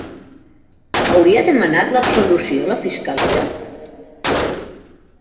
Hauria demanat l’absolució la fiscalia?